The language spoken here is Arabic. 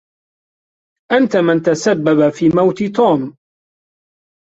أنتِ من تسبّب في موت توم.